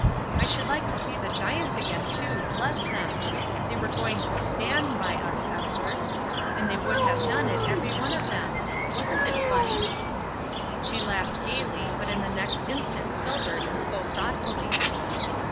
I should like to see the giants again, too, bless them! They were going to *stan'' by us, Esther! and they would have done it, every one of them. Wasn't it funny?" She laughed gayly, but in the next instant sobered and spoke thoughtfully.